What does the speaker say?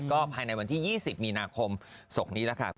ก็ภายในวันที่๒๐มีนาคมศพนี้แหละค่ะ